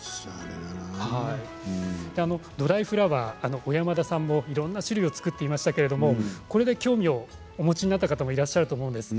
ドライフラワー小山田さんもいろんな種類を作っていましたけれどこれで興味をお持ちになった方もいらっしゃると思うんです。